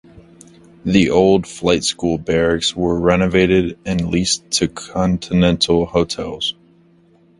The old flight school barracks were renovated and leased to Continental Hotels.